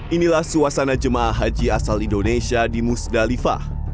inilah suasana jemaah haji asal indonesia di musdalifah